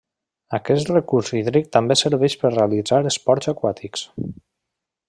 Aquest recurs hídric també serveix per realitzar esports aquàtics.